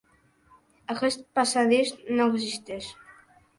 Aquest passadís no existeix.